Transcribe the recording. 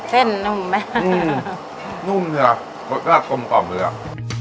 เส้นนุ่มไหมอืมนุ่มจ้ะรสชาติกลมกล่อมด้วยอ่ะ